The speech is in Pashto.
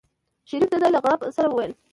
شريف د چای له غړپ سره وويل.